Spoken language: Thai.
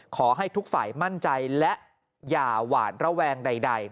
ขอให้ทุกฝ่ายมั่นใจและอย่าหวาดระแวงใด